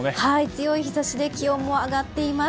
強い日差しで気温も上がっています。